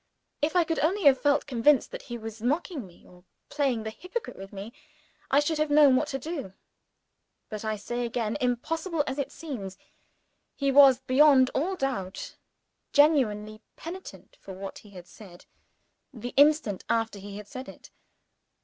If I could only have felt convinced that he was mocking me, or playing the hypocrite with me, I should have known what to do. But I say again impossible as it seems he was, beyond all doubt, genuinely penitent for what he had said, the instant after he had said it!